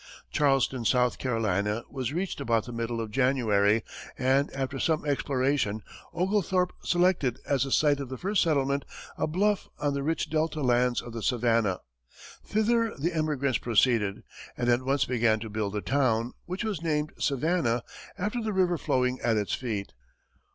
Charleston, South Carolina, was reached about the middle of January, and, after some exploration, Oglethorpe selected as the site of the first settlement a bluff on the rich delta lands of the Savannah. Thither the emigrants proceeded, and at once began to build the town, which was named Savannah after the river flowing at its feet.